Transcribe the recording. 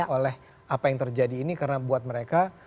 oleh apa yang terjadi ini karena buat mereka